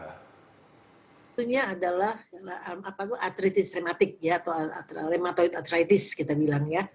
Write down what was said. itu adalah atritis reumatik atau rheumatoid arthritis kita bilang ya